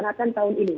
disarankan tahun ini